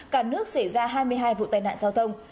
cả nước xảy ra hai mươi hai vụ tai nạn giao thông